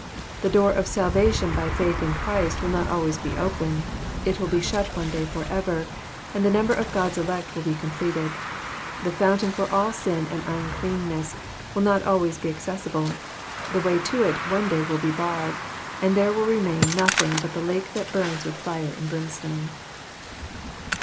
The door of salvation by faith in Christ will not always be open : it will be shut one day forever, and the number of God's elect will be completed. The fountain for all sin and uncleanness will not always be accessible ; the way to it will one day be barred, and there will remain nothing but the lake that bums with fire and brimstone.